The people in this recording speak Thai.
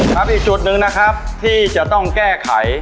ครับอีกจุดหนึ่งนะครับที่จะต้องแก้ไข